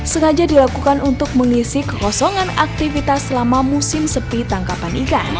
sengaja dilakukan untuk mengisi kekosongan aktivitas selama musim sepi tangkapan ikan